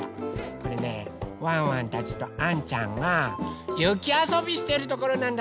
これねワンワンたちとあんちゃんがゆきあそびしてるところなんだって！